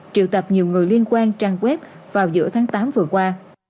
triệu tập nhiều người liên quan trang web vào giữa tháng tám vừa qua